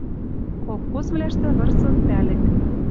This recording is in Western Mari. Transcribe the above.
Колхозвлӓштӹ вырсын пӓлӹк